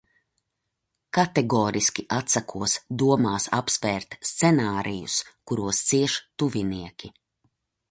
Kategoriski atsakos domās apsvērt scenārijus, kuros cieš tuvinieki.